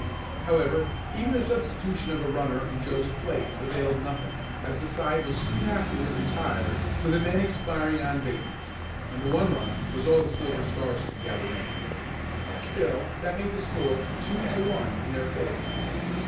However, even the substitution of a runner in Joe's place availed nothing, as the side was soon afterward retired with the men expiring on bases, and the one run was all the Silver Stars could gather in. Still that made the score two to one in their favor.